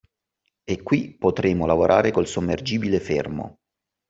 E qui potremo lavorare col sommergibile fermo